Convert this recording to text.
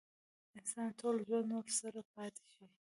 انسان ټول ژوند ورسره پاتې شي.